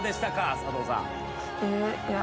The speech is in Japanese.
佐藤さん。